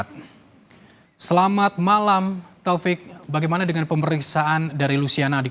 tapi bapak punya bukti ya pak yang kerja sama pak acing itu ya pak